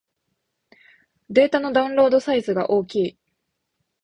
データのダウンロードサイズが大きい